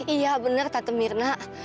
iya bener tante mirna